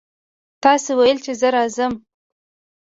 تاسې ویل چې زه راځم.